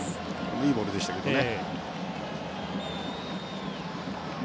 いいボールでしたけどね。